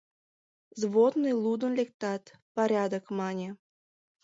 Взводный лудын лектат, «Порядок» мане.